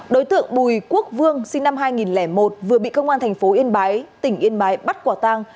đối tượng bùi quốc vương sinh năm hai nghìn một vừa bị công an thành phố yên bái tỉnh yên bái bắt quả tang